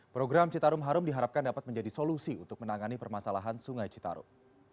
program citarum harum diharapkan dapat menjadi solusi untuk menangani permasalahan sungai citarum